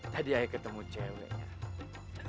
tadi aja ketemu cewek nyiak